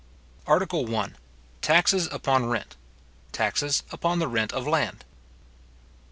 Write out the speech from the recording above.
ARTICLE I.—Taxes upon Rent—Taxes upon the Rent of Land.